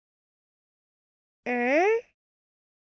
うん？